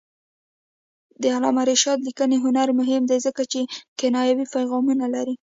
د علامه رشاد لیکنی هنر مهم دی ځکه چې کنایوي پیغامونه لري.